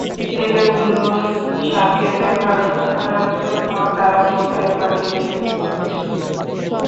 ছেলেগুলো সাথে দেখার জন্যে তারা প্রোফাইল পাঠিয়েছে।